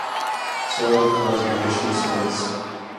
Soil Conservation Service.